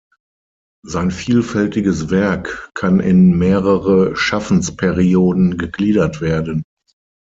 Sein vielfältiges Werk kann in mehrere Schaffensperioden gegliedert werden.